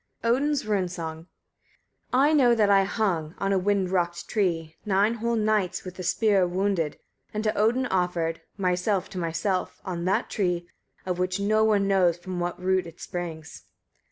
] ODIN'S RUNE SONG. 140. I know that I hung, on a wind rocked tree, nine whole nights, with a spear wounded, and to Odin offered, myself to myself; on that tree, of which no one knows from what root it springs.